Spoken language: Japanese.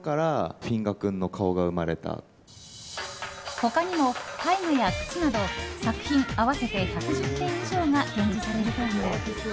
他にも、絵画や靴など作品合わせて１１０点以上が展示されるという。